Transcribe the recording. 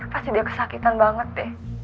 pasti dia kesakitan banget deh